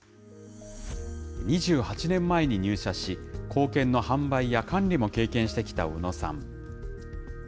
２８年前に入社し、硬券の販売や管理も経験してきた小野さん。